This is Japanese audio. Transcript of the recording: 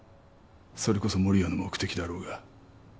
それこそ守谷の目的だろうが。